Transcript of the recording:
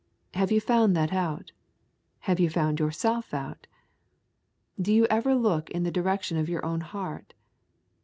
Have you found that out? Have you found yourself out? Do you ever look in the direction of your own heart?